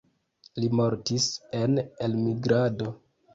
Li mortis en elmigrado.